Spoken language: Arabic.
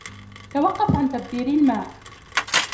توقف عن تبذير الماء